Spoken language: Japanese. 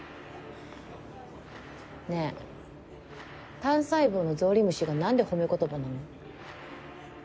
ねえ単細胞のゾウリムシが何で褒め言葉なの？